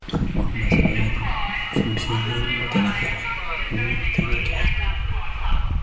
وَهُمَا سَبَبَانِ فِي غَيْرِ الْمُتَنَاكِحَيْنِ